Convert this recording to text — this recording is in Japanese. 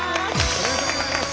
おめでとうございます。